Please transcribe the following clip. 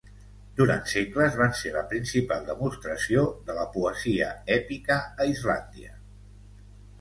Durant segles van ser la principal demostració de la poesia èpica a Islàndia.